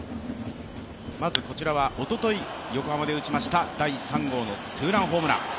こちらはおととい、横浜で打ちました第３号のツーランホームラン。